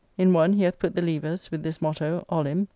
In one, he hath put the Levers, with this motto, "Olim."